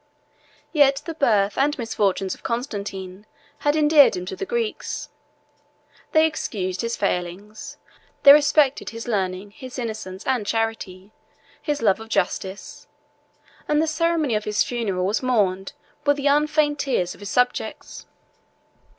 Yet the birth and misfortunes of Constantine had endeared him to the Greeks; they excused his failings; they respected his learning, his innocence, and charity, his love of justice; and the ceremony of his funeral was mourned with the unfeigned tears of his subjects.